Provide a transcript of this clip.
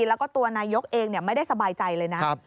แล้วก็ตัวนายกเองไม่ได้สบายใจเลยนะ